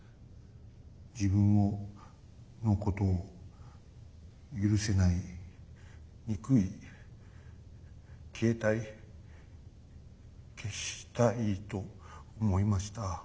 自分をのことを許せない憎い消えたい消したいと思いました。